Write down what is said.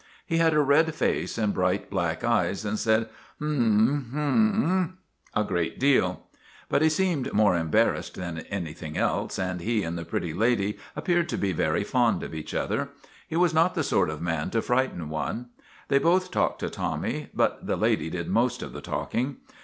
He had a red face and bright, black eyes, and said " Hm ! Hm !' a great deal. But he seemed more embar rassed than anything else, and he and the pretty lady appeared to be very fond of each other. He was not the sort of man to frighten one. They both talked to Tommy, but the lady did most of the talk ing.